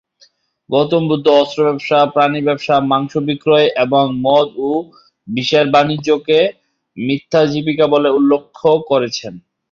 গৌতম বুদ্ধ অস্ত্র ব্যবসা, প্রাণী ব্যবসা, মাংস বিক্রয় এবং মদ ও বিষের বাণিজ্যকে মিথ্যা জীবিকা বলে উল্লেখ করেছেন।